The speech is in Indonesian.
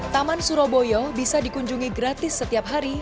taman suro boyo bisa dikunjungi gratis setiap hari